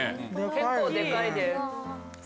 結構デカいです。